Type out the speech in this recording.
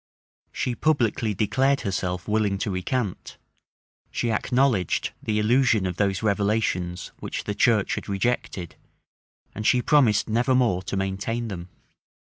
She publicly declared herself willing to recant: she acknowledged the illusion of those revelations which the church had rejected; and she promised never more to maintain them.